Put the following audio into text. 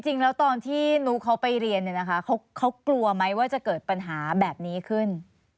จริงแล้วตอนที่นุ๊กเขาไปเรียนเนี่ยนะคะเขากลัวไหมว่าจะเกิดปัญหาแบบนี้ขึ้น